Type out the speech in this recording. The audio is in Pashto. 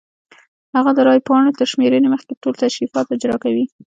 هغه د رای پاڼو تر شمېرنې مخکې ټول تشریفات اجرا کوي.